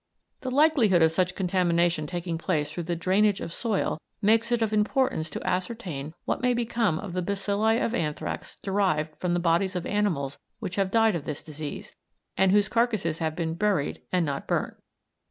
The likelihood of such contamination taking place through the drainage of soil makes it of importance to ascertain what may become of the bacilli of anthrax derived from the bodies of animals which have died of this disease, and whose carcasses have been buried and not burnt.